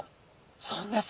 そんなす